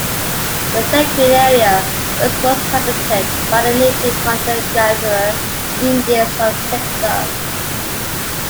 The Seguin area was once inhabited by the native hunter-gatherer Indians of Texas.